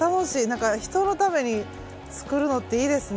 なんか人のために作るのっていいですね。